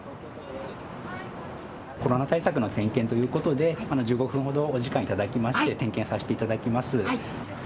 コロナ対策の点検ということで１５分ほどお時間頂きまして点検させていただきます。